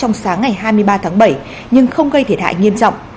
trong sáng ngày hai mươi ba tháng bảy nhưng không gây thể thại nghiêm trọng